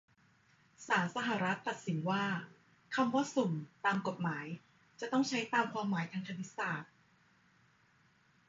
ศาลสหรัฐตัดสินว่า คำว่า "สุ่ม" ตามกฎหมาย จะต้องใช้ตามความหมายทางคณิตศาสตร์